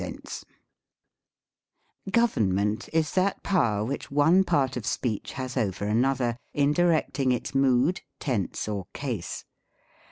77 Government is that power which one part of speech has over another, in directing its mood, tense, or case.